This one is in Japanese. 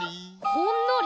ほんのり？